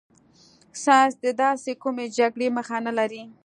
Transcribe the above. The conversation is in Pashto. ساینس د داسې کومې جګړې مخه نه لري.